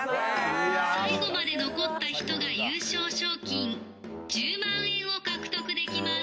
最後まで残った人が、優勝賞金１０万円を獲得できます。